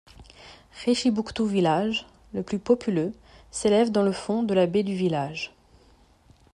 Richibouctou-Village, le plus populeux, s'élève dans le fond de la baie du Village.